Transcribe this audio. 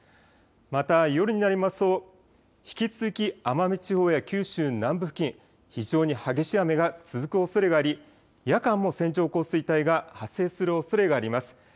また夜になりますと引き続き奄美地方や九州南部付近、非常に激しい雨が続くおそれがあり、夜間も線状降水帯が発生するおそれがあります。